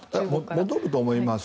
戻るとは思います。